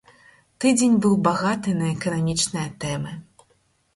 Тыдзень быў багаты на эканамічныя тэмы.